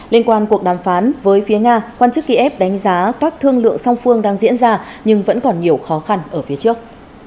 liên quan cuộc đàm phán với phía nga quan chức kiev đánh giá các thương lượng song phương đang diễn ra nhưng vẫn còn nhiều khó khăn ở phía trước